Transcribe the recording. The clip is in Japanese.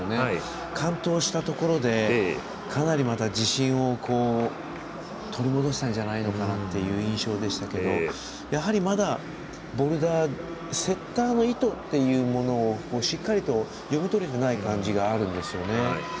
完登したところでかなりまた自信を取り戻したんじゃないのかなという印象でしたけれどもボルダー、セッターの意図をしっかりと読み取れてない感じがあるんですよね。